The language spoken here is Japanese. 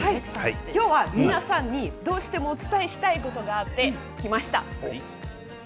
今日は皆さんにどうしてもお伝えしたいことがあってきました。